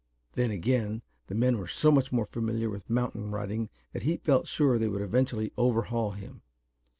Then again the men were so much more familiar with mountain riding that he felt sure they would eventually overhaul him.